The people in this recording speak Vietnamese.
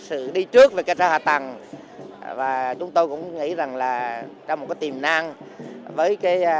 sự đi trước về kết sở hạ tầng và chúng tôi cũng nghĩ rằng là trong một cái tiềm năng với cái